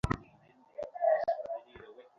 সর্বজয়া বাহিরের দরজায় দাঁড়াইয়া আছে।